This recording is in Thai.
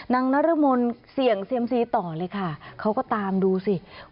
นรมนเสี่ยงเซียมซีต่อเลยค่ะเขาก็ตามดูสิ